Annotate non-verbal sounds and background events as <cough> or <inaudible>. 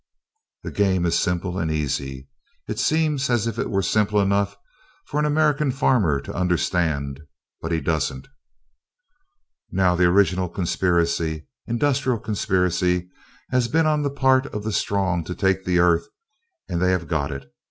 The game is simple and easy. It seems as if it were simple enough for an American farmer to understand; but he doesn't. <laughs> Now, the original conspiracy, industrial conspiracy, has been on the part of the strong to take the earth, and they have got it.